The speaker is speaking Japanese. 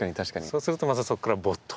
そうするとまたそこからボッと。